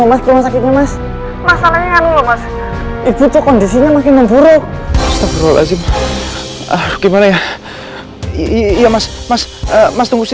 mas mas mas mas kondisinya makin buruk gimana ya iya mas mas mas tunggu